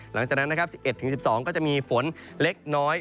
หลังจากนั้นนะครับ๑๑๑๑๒ก็จะมีฝนเล็กน้อย